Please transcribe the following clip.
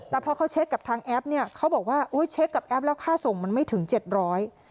แต่พอเขาเช็คกับทางแอปเนี่ยเขาบอกว่าโอ้ยเช็คกับแอปแล้วค่าส่งมันไม่ถึงเจ็ดร้อย